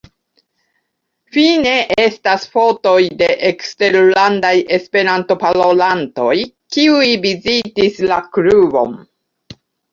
Fine estas fotoj de eksterlandaj Esperanto-parolantoj kiuj vizitis la klubon.